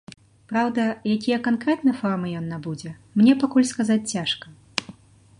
Праўда, якія канкрэтна формы ён набудзе, мне пакуль сказаць цяжка.